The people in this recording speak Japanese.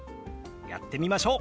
やってみましょう。